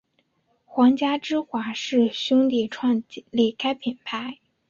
皇家芝华士兄弟创立该品牌。